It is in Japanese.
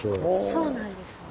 そうなんですね。